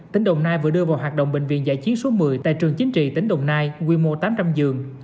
tỉnh đồng nai vừa đưa vào hoạt động bệnh viện giải chiến số một mươi tại trường chính trị tỉnh đồng nai quy mô tám trăm linh giường